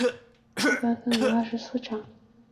一般分为二十四章。